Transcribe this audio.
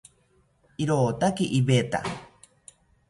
Irotaki iveta